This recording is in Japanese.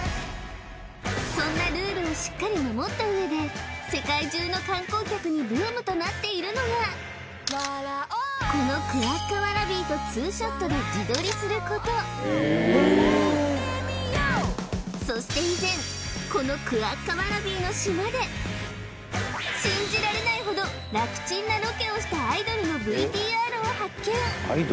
そんなルールをしっかり守った上で世界中の観光客にブームとなっているのがこのクアッカワラビーとツーショットで自撮りすることそして以前このクアッカワラビーの島で信じられないほど楽ちんなロケをしたアイドルのＶＴＲを発見！